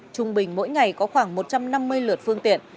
trung bình mỗi ngày có khoảng một trăm năm mươi lượt phương tiện